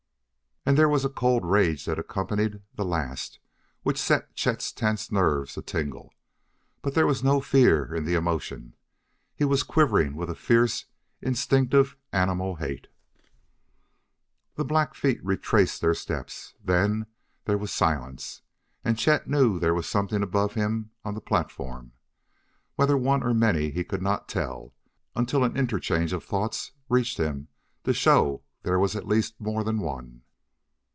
And there was a cold rage that accompanied the last which set Chet's tense nerves a tingle. But there was no fear in the emotion; he was quivering with a fierce, instinctive, animal hate. The black feet retraced their steps. Then there was silence, and Chet knew there was something above him on the platform; whether one or many he could not tell until an interchange of thoughts reached him to show there was at least more than one.